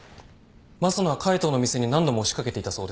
益野は海藤の店に何度も押し掛けていたそうです。